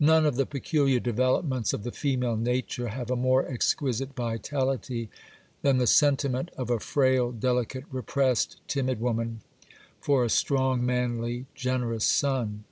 None of the peculiar developments of the female nature have a more exquisite vitality than the sentiment of a frail, delicate, repressed, timid woman, for a strong, manly, generous son.